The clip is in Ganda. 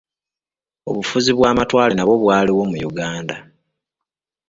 Obufuzi bw'amatwale nabwo bwaliwo mu Uganda.